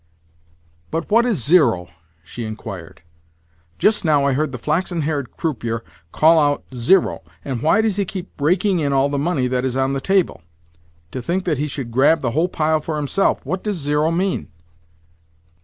"But what is zero?" she inquired. "Just now I heard the flaxen haired croupier call out 'zero!' And why does he keep raking in all the money that is on the table? To think that he should grab the whole pile for himself! What does zero mean?"